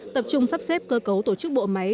tập trung sắp xếp cơ cấu tổ chức bộ máy